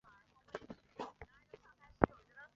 在东京都长大。